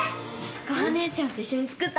こは姉ちゃんと一緒に作ったの。